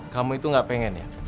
kamu itu gak pengen ya